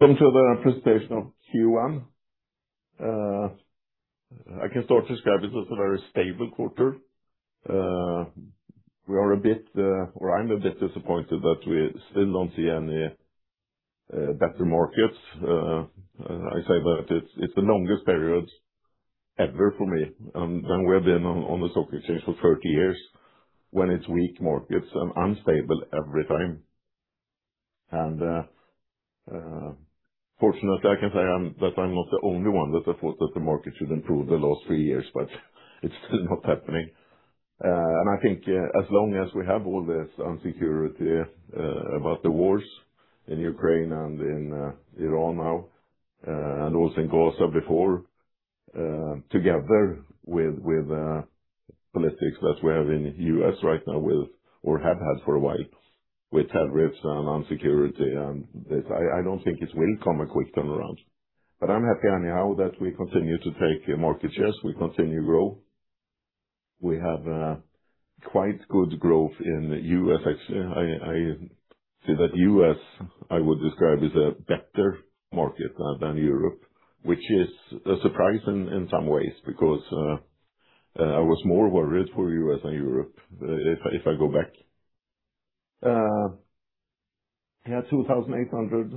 Welcome to the presentation of Q1. I can start to describe it as a very stable quarter. I'm a bit disappointed that we still don't see any better markets. I say that it's the longest period ever for me, and we have been on the stock exchange for 30 years, when it's weak markets and unstable every time. Fortunately, I can say that I'm not the only one that thought that the market should improve the last three years, but it's still not happening. I think as long as we have all this insecurity about the wars in Ukraine and in Iran now, and also in Gaza before, together with politics that we have in the U.S. right now, or have had for a while, with tariffs and insecurity and this, I don't think it will come a quick turnaround. I'm happy anyhow that we continue to take market shares, we continue to grow. We have quite good growth in the U.S., actually. I see that U.S., I would describe, is a better market than Europe, which is a surprise in some ways because I was more worried for U.S. than Europe, if I go back. Yeah, 2,800.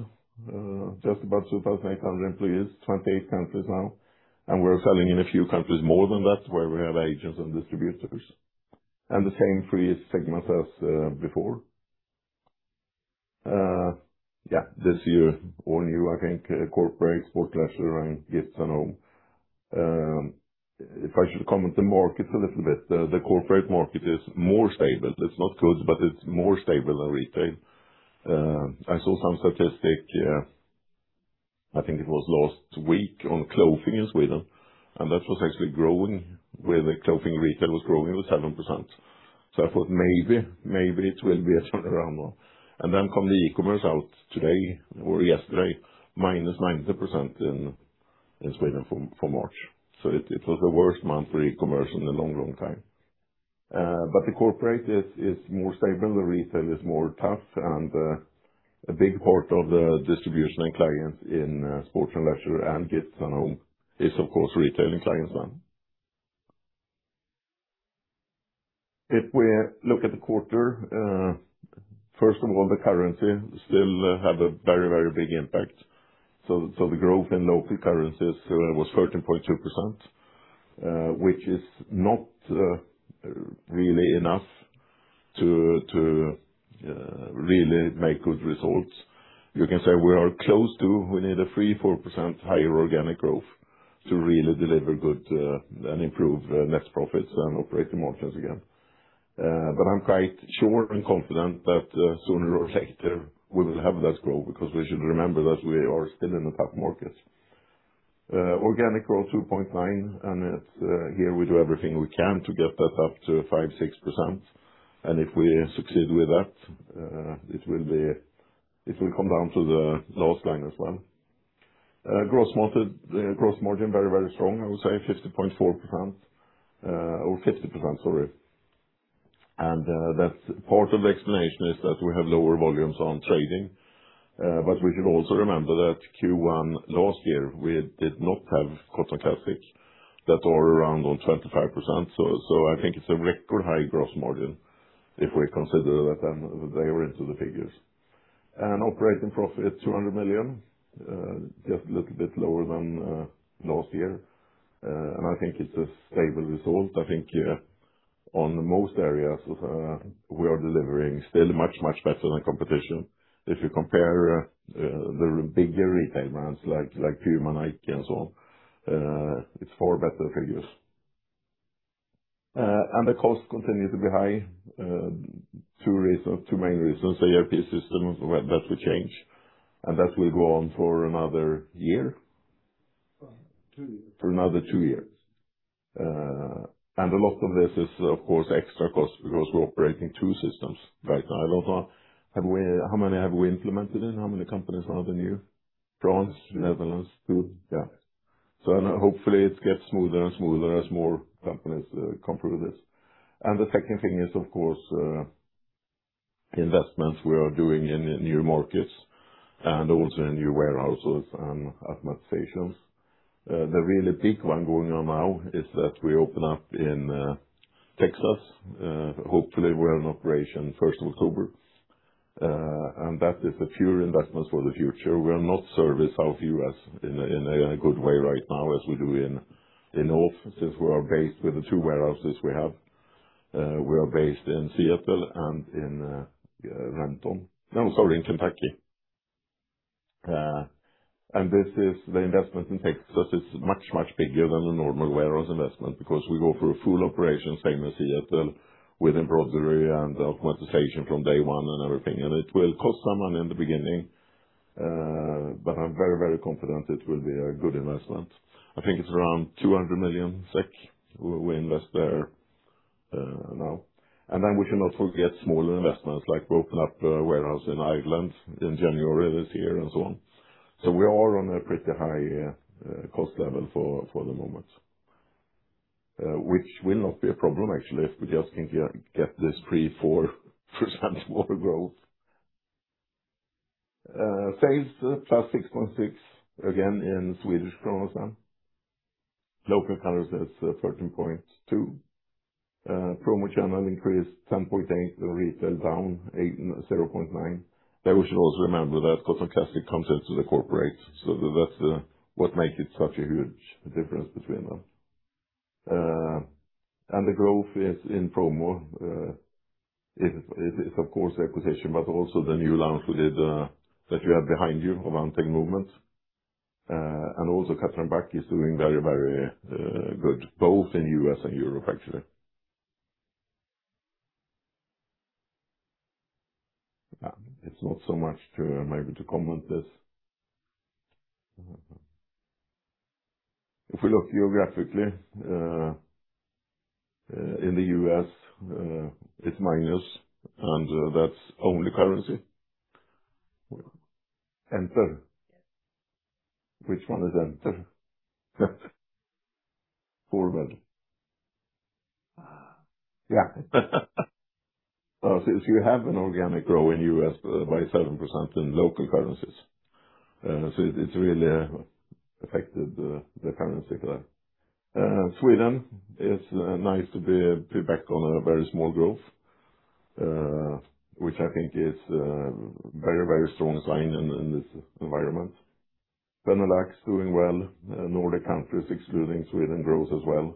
Just about 2,800 employees, 28 countries now, and we're selling in a few countries more than that where we have agents and distributors. And the same three segments as before. Yeah. This year, all new, I think, Corporate, Sports & Leisure and Gifts & Home Furnishings. If I should comment the markets a little bit, the corporate market is more stable. It's not good, but it's more stable than retail. I saw some statistic, I think it was last week on clothing in Sweden, and that was actually growing, where the clothing retail was growing with 7%. I thought maybe it will be a turnaround now. Then come the e-commerce out today or yesterday, -90% in Sweden from March. It was the worst month for e-commerce in a long, long time. The Corporate is more stable, the retail is more tough, and a big part of the distribution and clients in Sports & Leisure and Gifts & Home is, of course, retailing clients now. If we look at the quarter, first of all, the currency still have a very, very big impact. The growth in local currencies was 13.2%, which is not really enough to really make good results. You can say we are close to. We need a 3%-4% higher organic growth to really deliver good and improve net profits and operating margins again. I'm quite sure and confident that sooner or later we will have that growth, because we should remember that we are still in a tough market. Organic growth 2.9%, and here we do everything we can to get that up to 5%-6%. If we succeed with that, it will come down to the last line as well. Gross margin, very, very strong. I would say 50.4%, or 50%, sorry. Part of the explanation is that we have lower volumes on trading. We should also remember that Q1 last year, we did not have Cotton Classics that are around 25%. I think it's a record high gross margin if we consider that and layer into the figures. Operating profit at 200 million, just a little bit lower than last year. I think it's a stable result. I think on most areas, we are delivering still much, much better than competition. If you compare the bigger retail brands like PUMA and Nike and so on, it's far better figures. The cost continue to be high. Two main reasons. The ERP system, that will change, and that will go on for another year. For two years. For another two years. A lot of this is, of course, extra cost because we're operating two systems right now. How many have we implemented in? How many companies are on the new? France, Netherlands, two. Yeah. Hopefully it gets smoother and smoother as more companies come through this. The second thing is, of course, investments we are doing in new markets and also in new warehouses and warehouse automation. The really big one going on now is that we open up in Texas. Hopefully we're in operation 1st of October. That is a pure investment for the future. We are not servicing the U.S. in a good way right now as we do in Europe. With the two warehouses we have, we are based in Seattle and in Kentucky. The investment in Texas is much, much bigger than a normal warehouse investment because we go for a full operation, same as Seattle, with embroidery and automation from day one and everything. It will cost some money in the beginning, but I'm very, very confident it will be a good investment. I think it's around 200 million SEK we invest there now. Then we cannot forget smaller investments like we open up a warehouse in Ireland in January this year and so on. We are on a pretty high cost level for the moment, which will not be a problem, actually, if we just can get this 3%-4% more growth. Sales +6.6%, again, in Swedish krona then. Local currency is 13.2%. Promo channel increased 10.8%. Retail down 0.9%. We should also remember that Cotton Classics comes into the Corporate, so that's what makes it such a huge difference between them. The growth is in promo. It's of course acquisition, but also the new launch that you have behind you around Tech Movement. Also Cutter & Buck is doing very good, both in U.S. and Europe, actually. It's not so much to maybe comment this. If we look geographically, in the U.S., it's minus, and that's only currency. Yes. Since you have an organic growth in U.S. by 7% in local currencies. It's really affected by the currency there. Sweden is nice to be back on a very small growth, which I think is a very strong sign in this environment. Benelux doing well. Nordic countries, excluding Sweden, grows as well.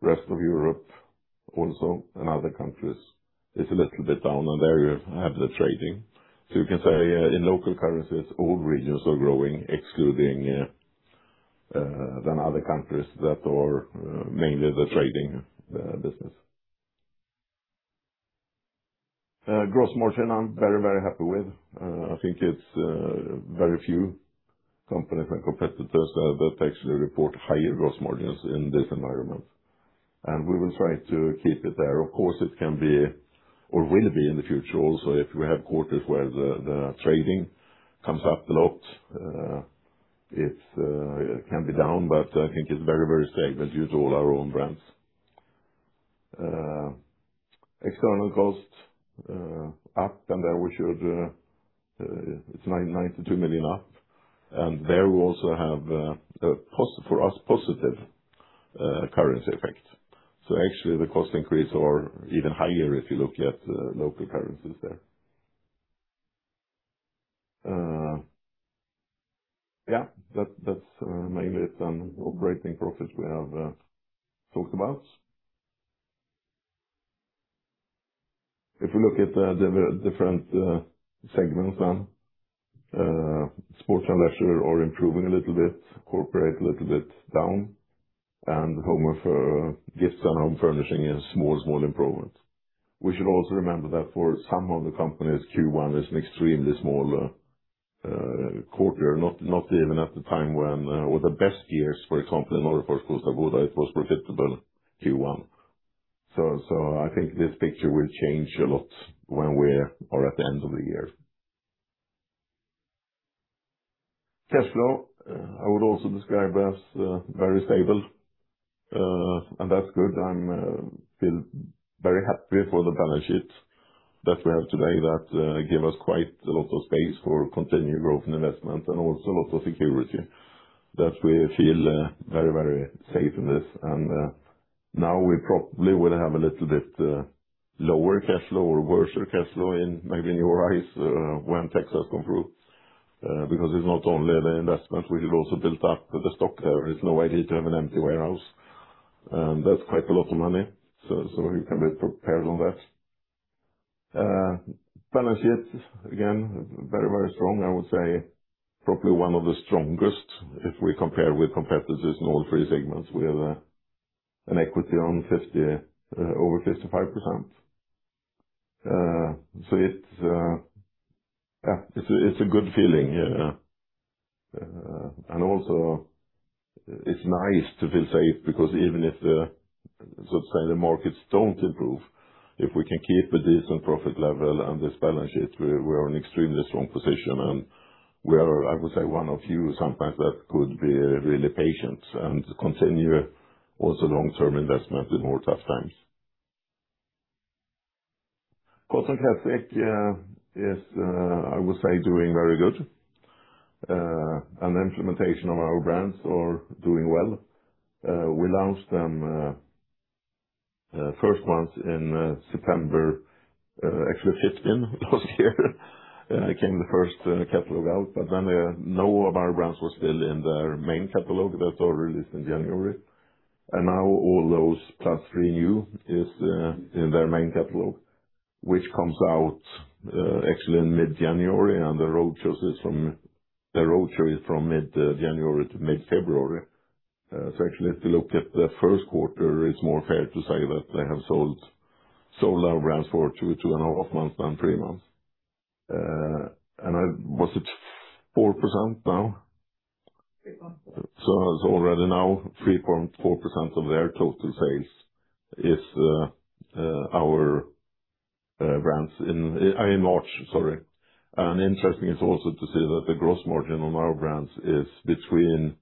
Rest of Europe also and other countries is a little bit down and there you have the trading. You can say in local currencies, all regions are growing, excluding the other countries that are mainly the trading business. Gross margin, I'm very happy with. I think it's very few companies and competitors that actually report higher gross margins in this environment. We will try to keep it there. Of course, it can be or will be in the future also if we have quarters where the trading comes up a lot. It can be down, but I think it's very safe to use all our own brands. External costs up, and there we showed it's 92 million up, and there we also have for us positive currency effect. Actually the cost increase are even higher if you look at local currencies there. Yeah, that's mainly it on operating profits we have talked about. If you look at the different segments then, Sports & Leisure are improving a little bit, Corporate a little bit down, and Gifts & Home Furnishings is small improvement. We should also remember that for some of the companies, Q1 is an extremely small quarter, not even in the best years, for example, in other parts of the world, it was profitable Q1. I think this picture will change a lot when we are at the end of the year. Cash flow, I would also describe as very stable, and that's good. I feel very happy for the balance sheet that we have today that give us quite a lot of space for continued growth and investment and also lot of security that we feel very safe in this. Now we probably will have a little bit lower cash flow or worse cash flow in maybe in your eyes when textiles improves, because it's not only the investment, we will also build up the stock. There is no idea to have an empty warehouse, and that's quite a lot of money, so you can be prepared on that. Balance sheet, again, very strong. I would say probably one of the strongest if we compare with competitors in all three segments. We have an equity on over 55%. It's a good feeling. Yeah. It's nice to feel safe because even if the, let's say, the markets don't improve, if we can keep a decent profit level and this balance sheet, we are in extremely strong position and we are, I would say one of few sometimes that could be really patient and continue also long term investment in more tough times. Cotton Classics is, I would say doing very good. The implementation of our brands are doing well. We launched them first month in September, actually 15 last year it came the first catalog out, but then none of our brands were still in their main catalog. That's all released in January. Now all those +3 new ones are in their main catalog, which comes out actually in mid-January and the road show is from mid-January to mid-February. Actually, if you look at the first quarter, it's more fair to say that they have sold our brands for two and a half months than three months. Was it 4% now? 3.4%. It's already now 3.4% of their total sales is our brands in March, sorry. Interesting is also to see that the gross margin on our brands is between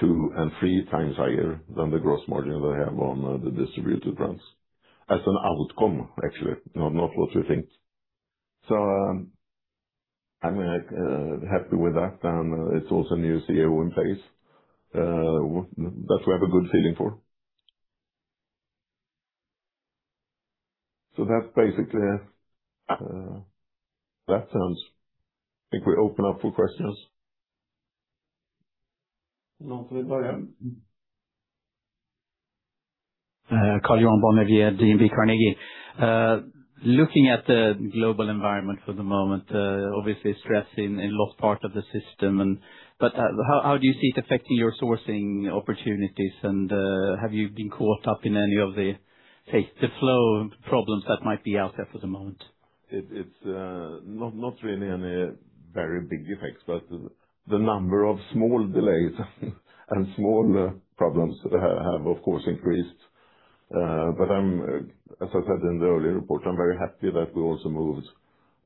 two and three times higher than the gross margin that I have on the distributed brands as an outcome, actually, not what we think. I'm happy with that, and it's also a new CEO in place that we have a good feeling for. That's basically it. That sounds. I think we open up for questions. Carl-Johan Blomqvist at DNB Carnegie. Looking at the global environment for the moment, obviously stress in logistics part of the system, but how do you see it affecting your sourcing opportunities and have you been caught up in any of the flow problems that might be out there for the moment? It's not really any very big effects, but the number of small delays and small problems have, of course, increased. As I said in the earlier report, I'm very happy that we also moved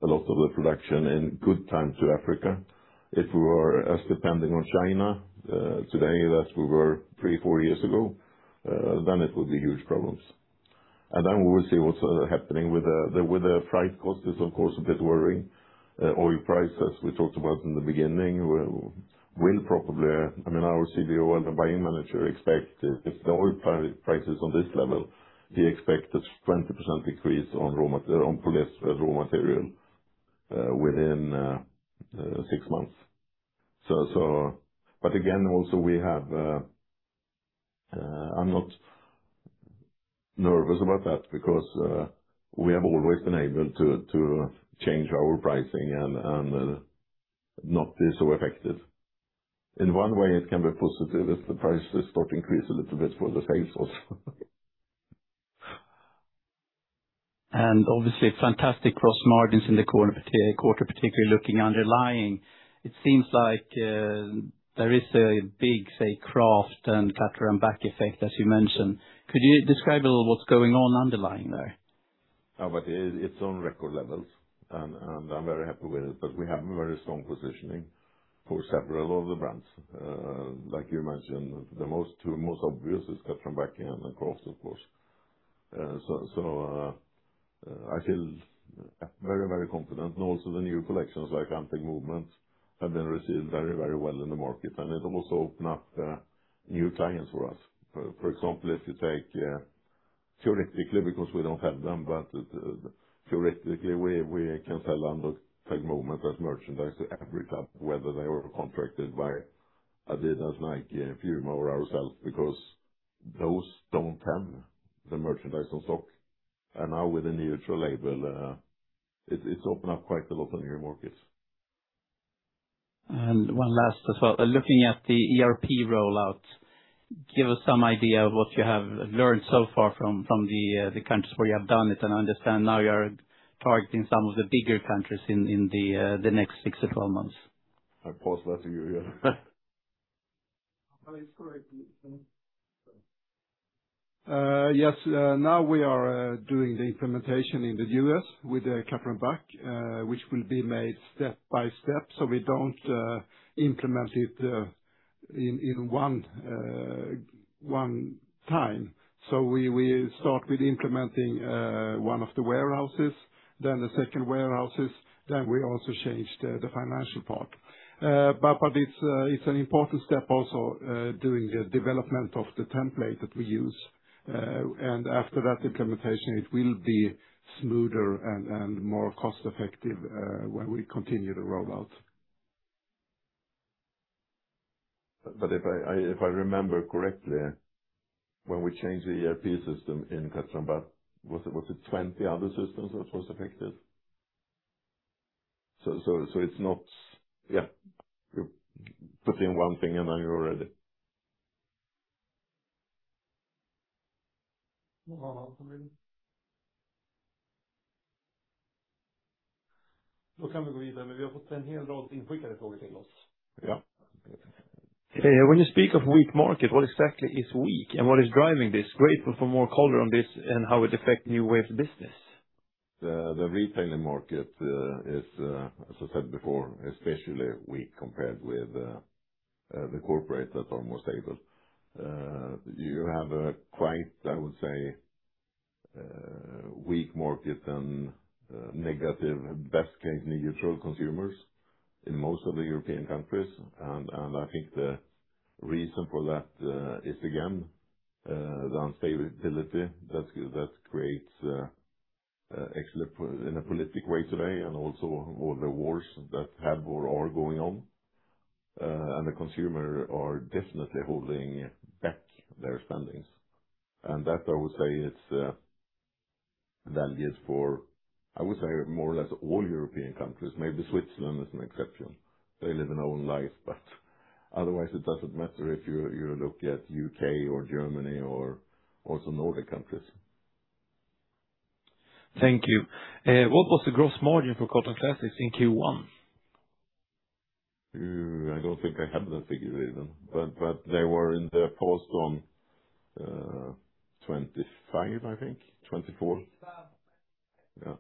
a lot of the production in good time to Africa. If we were as dependent on China today as we were three, four years ago, then it will be huge problems. We will see what's happening with the freight costs is, of course, a bit worrying. Oil prices we talked about in the beginning will probably. Our CBO and the buying manager expect if the oil prices on this level, he expects a 20% decrease in polyester raw material within six months. Again, also we have. I'm not nervous about that because we have always been able to change our pricing and not be so affected. In one way, it can be positive if the prices start to increase a little bit for the sales also. Obviously fantastic gross margins in the quarter, particularly looking underlying. It seems like there is a big, say, Craft and Cutter & Buck effect as you mentioned. Could you describe a little what's going on underlying there? It's on record levels and I'm very happy with it. We have very strong positioning for several of the brands. Like you mentioned, the two most obvious is Cutter & Buck and Craft of course. I feel very confident and also the new collections like Untagged Movement have been received very well in the market. It also opened up new clients for us. For example, if you take, theoretically because we don't have them, but theoretically, we can sell under Untagged Movement as merchandise to every club, whether they are contracted by Adidas, Nike, PUMA, or ourselves, because those don't have the merchandise on stock. Now with the neutral label, it's opened up quite a lot of new markets. One last as well. Looking at the ERP rollout, give us some idea of what you have learned so far from the countries where you have done it. I understand now you are targeting some of the bigger countries in the next 6-12 months. I pause letting you, yeah. It's correct, yes. Yes. Now we are doing the implementation in the U.S., with Cutter & Buck which will be made step by step. We don't implement it in one time. We start with implementing one of the warehouses, then the second warehouses, then we also change the financial part. It's an important step also, doing the development of the template that we use. After that implementation, it will be smoother and more cost-effective, when we continue the rollout. If I remember correctly, when we changed the ERP system in Cutter & Buck, was it 20 other systems that was affected? It's not, yeah, you put in one thing and now you're ready. Yeah. When you speak of weak market, what exactly is weak and what is driving this? Grateful for more color on this and how it affect New Wave's business. The retailing market, as I said before, especially weak compared with the Corporate that's almost stable. You have a quite, I would say, weak market and negative, best case, neutral consumers in most of the European countries. I think the reason for that is again, the instability that creates in a political way today and also all the wars that have or are going on. The consumers are definitely holding back their spending. That, I would say, it's valid for, I would say more or less all European countries, maybe Switzerland is an exception. They live their own life, but otherwise it doesn't matter if you look at U.K. or Germany or also Nordic countries. Thank you. What was the gross margin for Cotton Classics in Q1? Ooh, I don't think I have that figure even. They were in the plus on 25%, I think, 24%. 25%. Yeah.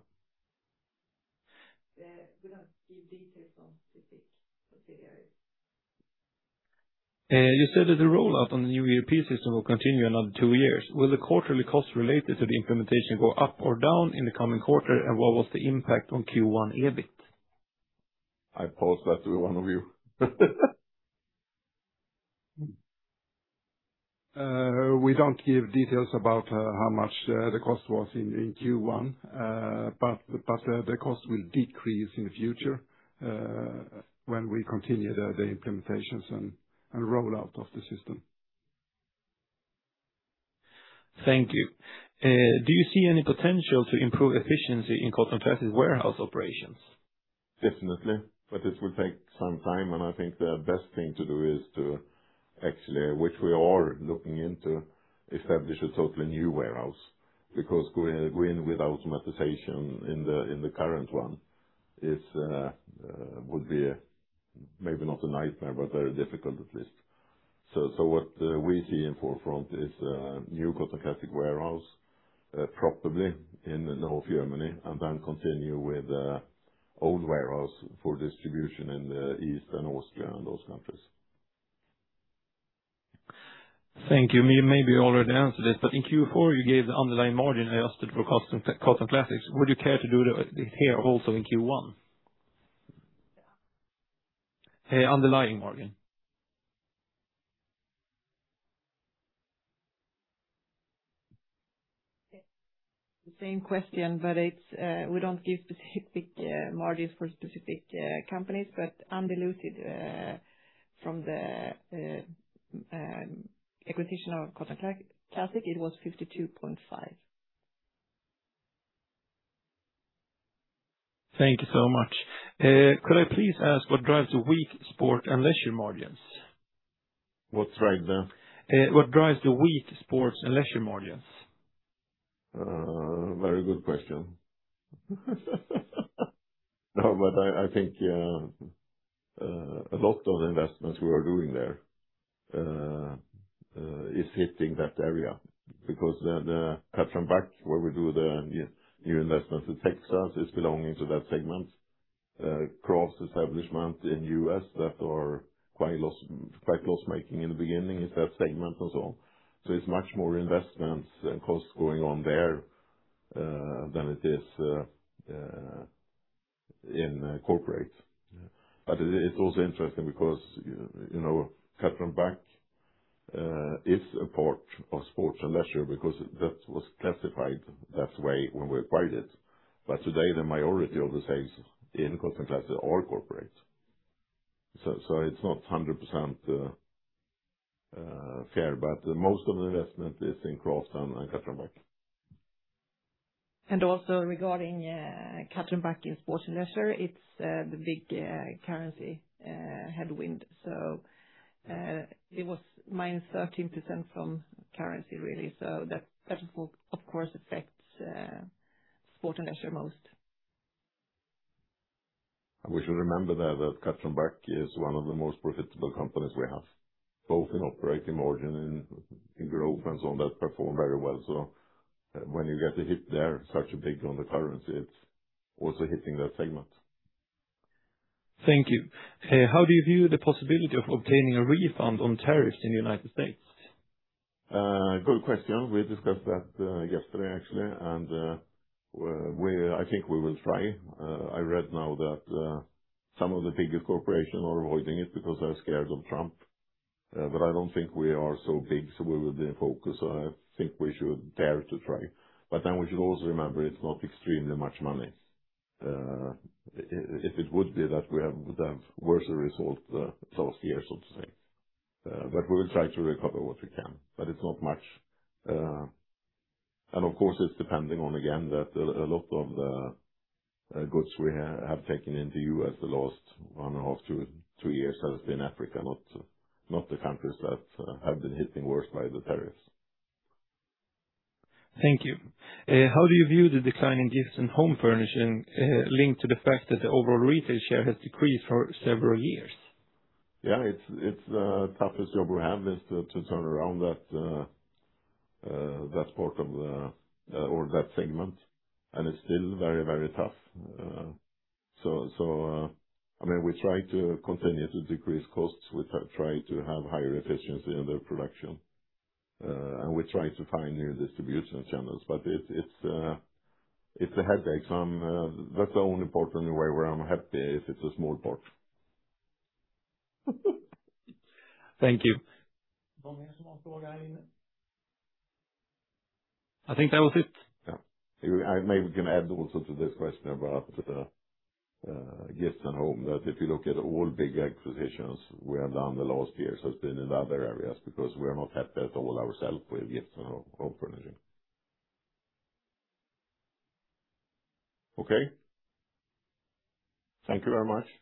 You said that the rollout on the new ERP system will continue another two years. Will the quarterly costs related to the implementation go up or down in the coming quarter? What was the impact on Q1 EBIT? I pose that to one of you. Mm-hmm. We don't give details about how much the cost was in Q1. The cost will decrease in the future when we continue the implementations and rollout of the system. Thank you. Do you see any potential to improve efficiency in Cotton Classics warehouse operations? Definitely, but this will take some time, and I think the best thing to do is to actually, which we are looking into, establish a totally new warehouse, because going without automation in the current one would be maybe not a nightmare, but very difficult at least. What we're seeing up front is a new Cotton Classics warehouse, probably in the north of Germany, and then continue with old warehouse for distribution in the East and Austria and those countries. Thank you. You maybe already answered this, but in Q4 you gave the underlying margin I asked for Cotton Classics. Would you care to do that here also in Q1? Underlying margin. The same question, but we don't give specific margins for specific companies, but undiluted from the acquisition of Cotton Classics, it was 52.5%. Thank you so much. Could I please ask what drives the weak Sports & Leisure margins? What drives the? What drives the weak Sports & Leisure margins? Very good question. No, but I think a lot of investments we are doing there is hitting that area because the Cutter & Buck where we do the new investments in Texas is belonging to that segment. Craft establishment in U.S. that are quite loss-making in the beginning is that segment as well. It's much more investments and costs going on there than it is in Corporate. It's also interesting because Cutter & Buck is a part of Sports & Leisure because that was classified that way when we acquired it. Today the majority of the sales in Cotton Classics are Corporate. It's not 100% fair, but most of the investment is in Craft and Cutter & Buck. Also regarding Cutter & Buck in Sports & Leisure, it's the big currency headwind. It was -13% from currency really, so that of course affects Sports & Leisure most. We should remember that Cutter & Buck is one of the most profitable companies we have, both in operating margin and in growth and so on, that perform very well. When you get a hit there, such a big one, the currency, it's also hitting that segment. Thank you. How do you view the possibility of obtaining a refund on tariffs in the United States? Good question. We discussed that yesterday, actually, and I think we will try. I read now that some of the bigger corporations are avoiding it because they're scared of Trump. I don't think we are so big, so we will be in focus. I think we should dare to try. Then we should also remember it's not extremely much money. If it would be that we have worse results last year, so to say. We will try to recover what we can. It's not much. Of course it's depending on, again, that a lot of the goods we have taken into the U.S. the last one or two or three years has been from Africa, not the countries that have been hit worse by the tariffs. Thank you. How do you view the decline in Gifts & Home Furnishings linked to the fact that the overall retail share has decreased for several years? Yeah, it's the toughest job we have is to turn around that segment. It's still very, very tough. We try to continue to decrease costs. We try to have higher efficiency in the production. We try to find new distribution channels. It's a headache. That's the only part anywhere where I'm happy if it's a small part. Thank you. I think that was it. Yeah. Maybe we can add also to this question about Gifts & Home, that if you look at all big acquisitions we have done the last years, has been in other areas because we are not happy at all ourselves with Gifts & Home Furnishings. Okay? Thank you very much.